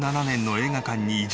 映画館に移住？